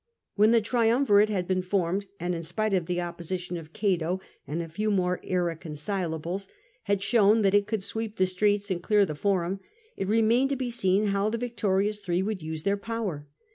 When the triumvirate had been formed, and (in spite of the opposition of Cato and a few more irreconcilables) had shown that it could sweep the streets and clear the Forum, it remained to be seen how the victorious three would use their power.